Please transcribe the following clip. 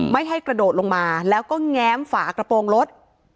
ไม่ให้กระโดดลงมาแล้วก็แง้มฝากระโปรงรถ